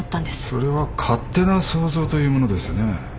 それは勝手な想像というものですね。